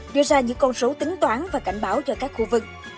đưa ra những con số tính toán và cảnh báo cho các khu vực